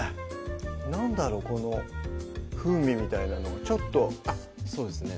なんだろうこの風味みたいなのちょっとそうですね